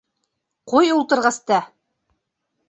Ҡуй ултырғысты!